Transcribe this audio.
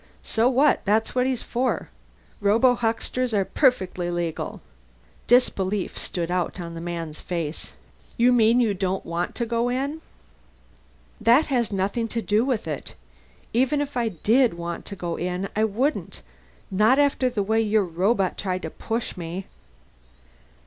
"So what? That's what he's for. Robohucksters are perfectly legal." Disbelief stood out on the man's face. "You mean you don't want to go in?" "That has nothing to do with it. Even if I did want to go in, I wouldn't not after the way your robot tried to push me."